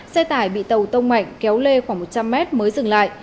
xe tải bị tàu tông mạnh kéo lê khoảng một trăm linh mét mới dừng lại